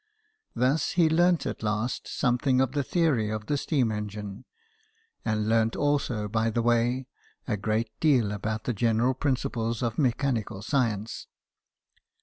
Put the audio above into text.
Thus he learnt at last something of the theory of the steam engine, and learnt also by the way a great deal about the general principles of mechanical science.